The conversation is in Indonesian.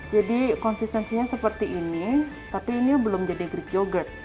jadi konsistensinya seperti ini tapi ini belum jadi greek yogurt